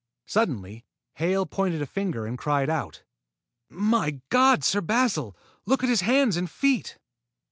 Suddenly Hale pointed a finger and cried out. "My God, Sir Basil, look at his hands and feet!"